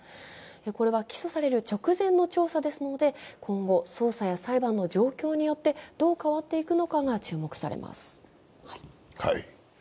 これは起訴される直前の調査ですので今後の裁判などの状況によって、どう変わっていくのかが注目されます。